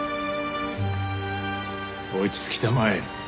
落ちつきたまえ。